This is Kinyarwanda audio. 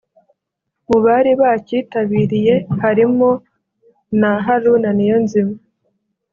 Mu bari bacyitabiriye harimo na Haruna Niyonzima